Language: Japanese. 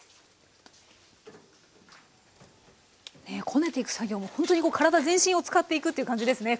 こねていく作業もほんとに体全身を使っていくという感じですね